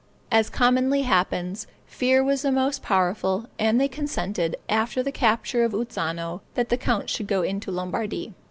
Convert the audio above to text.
As commonly happens, fear was the most powerful, and they consented, after the capture of Uzzano, that the count should go into Lombardy.